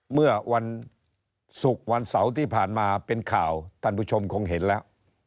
เมื่อวันศุกร์วันเสาร์ที่ผ่านมาเป็นข่าวท่านผู้ชมคงเห็นแล้ว